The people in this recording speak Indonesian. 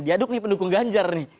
diaduk nih pendukung ganjar nih